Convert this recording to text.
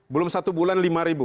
belum satu bulan lima